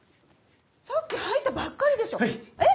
さっき入ったばっかりでしょえっ？